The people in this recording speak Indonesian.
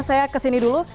saya kesini dulu